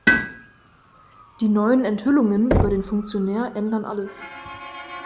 Die neuen Enthüllungen über den Funktionär ändern alles.